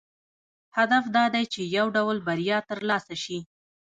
هدف دا دی چې یو ډول بریا ترلاسه شي.